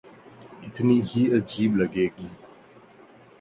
اتنی ہی عجیب لگے گی۔